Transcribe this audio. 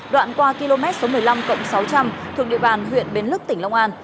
đoạn qua km một mươi năm sáu trăm linh thuộc địa bàn huyện bến lức tỉnh long an